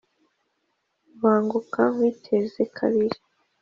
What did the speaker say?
rubanguka nkwiteze kabiri.